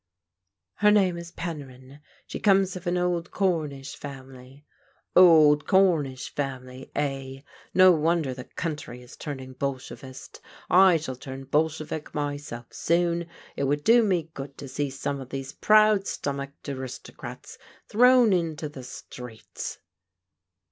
" Her name is Peniyn. She comes of an old Cornish family." " Old Cornish family, eh ! No wonder the coimtry is turning Bolshevist. I shall turn Bolshevik myself soon. It would do me good to see some of those proud stomached aristocrats thrown into the streets."